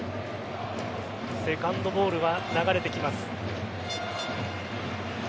セカンドボールは流れてきます。